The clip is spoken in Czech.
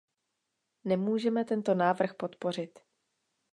Nemůžeme tento návrh podpořit.